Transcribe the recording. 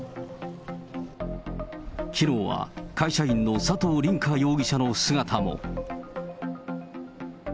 きのうは会社員の佐藤凜果容疑者の姿も。